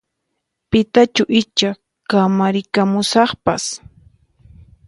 Pitachu icha kamarikamusaqpas?